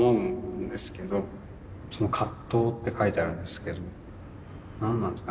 その葛藤って書いてあるんですけど何なんすかね。